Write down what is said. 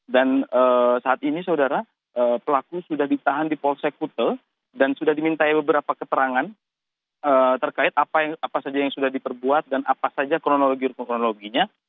dan saat ini saudara pelaku sudah ditahan di polsek kute dan sudah diminta beberapa keterangan terkait apa saja yang sudah diperbuat dan apa saja kronologi kronologinya